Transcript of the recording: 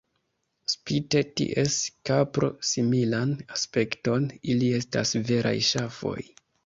Spite ties kapro-similan aspekton, ili estas veraj ŝafoj.